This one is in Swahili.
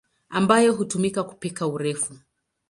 ambayo hutumika kupika urefu.